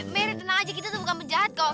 mary tenang aja kita tuh bukan penjahat kok